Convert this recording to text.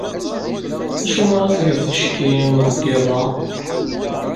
D acu ara tged ticki, deg yiḍ-a?